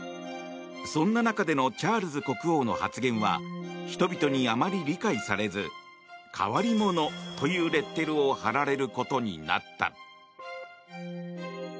そんな中でのチャールズ国王の発言は人々にあまり理解されず変わり者というレッテルを貼られることになった。